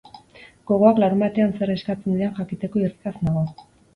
Gogoak larunbatean zer eskatzen didan jakiteko irrikaz nago!